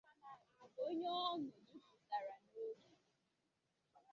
onye ọñụ jupụtara n'obi